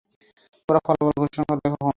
ওরা ফলাফল ঘোষণা করবে কখন?